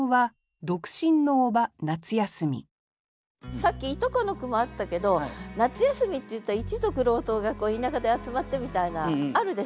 さっきいとこの句もあったけど夏休みっていったら一族郎党が田舎で集まってみたいなあるでしょ？